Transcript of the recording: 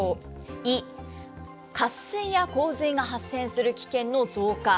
イ、渇水や洪水が発生する危険の増加。